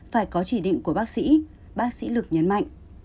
phải có chỉ định của bác sĩ bác sĩ lực nhấn mạnh